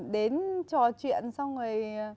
đến trò chuyện xong rồi